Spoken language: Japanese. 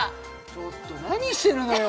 ちょっと何してるのよ！